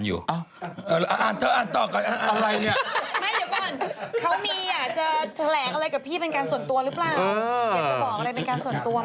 อยากจะบอกอะไรเป็นการส่วนตัวไหม